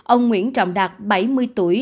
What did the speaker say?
ông nguyễn trọng đạt bảy mươi tuổi